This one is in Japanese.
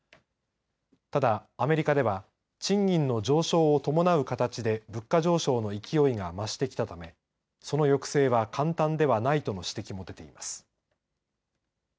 ただ、アメリカでは賃金の上昇伴う形で物価上昇の勢いが増してきたためその抑制は簡単ではないとの指摘も出ています。